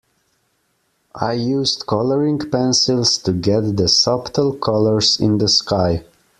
I used colouring pencils to get the subtle colours in the sky.